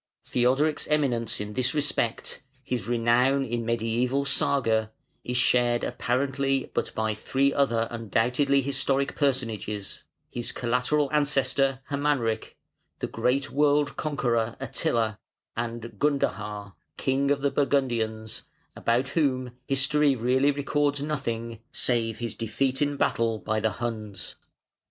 Theodoric's eminence in this respect, his renown in mediæval Saga, is shared apparently but by three other undoubtedly historic personages: his collateral ancestor, Hermanric; the great world conqueror, Attila; and Gundahar, king of the Burgundians, about whom history really records nothing, save his defeat in battle by the Huns.